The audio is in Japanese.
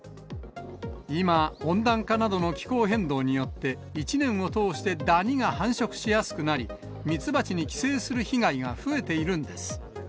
今、温暖化などの気候変動によって、１年を通してダニが繁殖しやすくなり、ミツバチに寄生する被害が増えているんです。